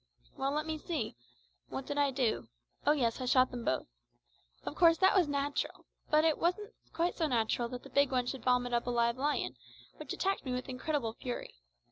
Well, let me see. What did I do? Oh yes, I shot them both. Of course, that was natural; but it wasn't quite so natural that the big one should vomit up a live lion, which attacked me with incredible fury.